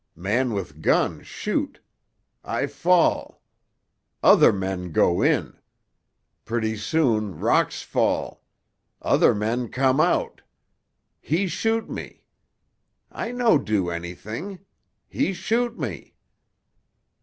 Man with gun shoot. I fall. Other men go in. Pretty soon rocks fall. Other men come out. He shoot me. I no do anything; he shoot me."